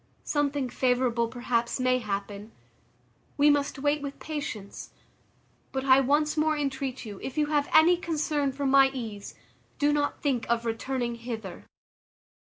Something favourable perhaps may happen; we must wait with patience; but I once more entreat you, if you have any concern for my ease, do not think of returning hither."